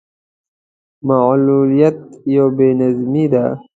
معلوليت يو بې نظمي ده.